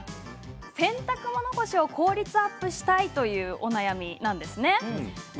洗濯物干しを効率アップしたいというお悩みです。